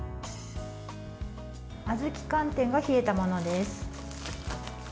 あずき寒天が冷えたものです。